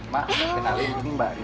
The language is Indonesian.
sebentar ya saya panggil mbak saya dulu